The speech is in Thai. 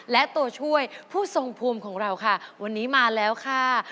และตัวช่วยผู้ทรงภูมิของเราค่ะวันนี้มาแล้วค่ะ